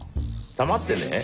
弾ってね